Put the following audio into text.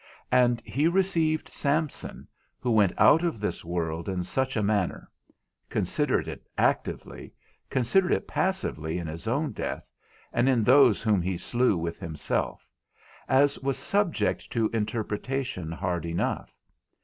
And he received Samson, who went out of this world in such a manner (consider it actively, consider it passively in his own death, and in those whom he slew with himself) as was subject to interpretation hard enough.